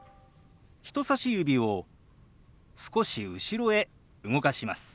人さし指を少し後ろへ動かします。